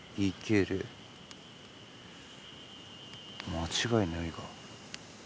間違いないが。